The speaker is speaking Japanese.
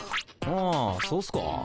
あそうっすか？